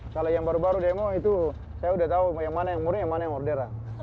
kalau yang baru baru demo itu saya udah tahu yang mana yang murni yang mana yang orderan